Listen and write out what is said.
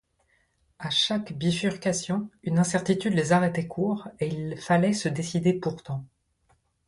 À chaque bifurcation, une incertitude les arrêtait court, et il fallait se décider pourtant.